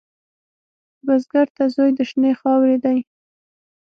بزګر ته زوی د شنې خاورې دی